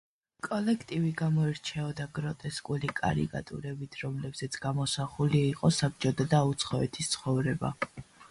კოლექტივი გამოირჩეოდა გროტესკული კარიკატურებით, რომლებზეც გამოსახული იყო საბჭოთა და უცხოეთის ცხოვრება.